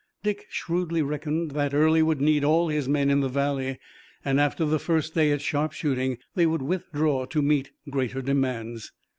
Dick shrewdly reckoned that Early would need all his men in the valley, and, after the first day at sharpshooting, they would withdraw to meet greater demands.